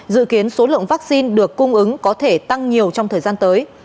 dự kiến số lượng vaccine được cung ứng có thể tăng nhiều trong thời gian tới